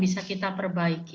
bisa kita perbaiki